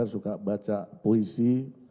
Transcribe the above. suka baca puisi